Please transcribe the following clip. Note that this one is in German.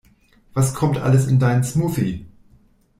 Was kommt alles in deinen Smoothie?